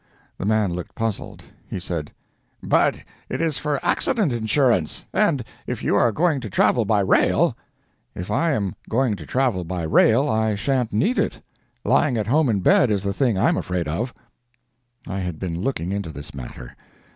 The man looked puzzled. He said: "But it is for accident insurance, and if you are going to travel by rail—" "If I am going to travel by rail, I shan't need it. Lying at home in bed is the thing I am afraid of." I had been looking into this matter.